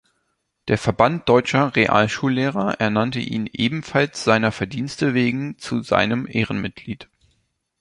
Der Verband Deutscher Realschullehrer ernannte ihn ebenfalls seiner Verdienste wegen zu seinem Ehrenmitglied.